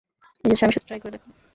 নিজের স্বামীর সাথে ট্রাই করে দেখো।